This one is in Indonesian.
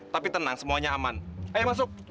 tapi tenang semuanya aman ayo masuk